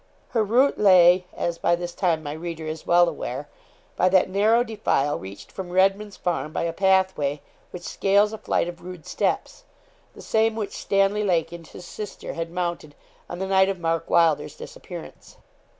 Her route lay, as by this time my reader is well aware, by that narrow defile reached from Redman's Farm by a pathway which scales a flight of rude steps, the same which Stanley Lake and his sister had mounted on the night of Mark Wylder's disappearance.